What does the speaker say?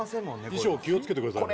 衣装気をつけてくださいね